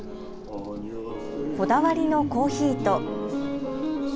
こだわりのコーヒーと。